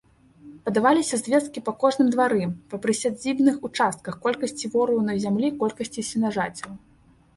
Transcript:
Падаваліся звесткі па кожным двары, па прысядзібных участках, колькасці ворыўнай зямлі, колькасці сенажацяў.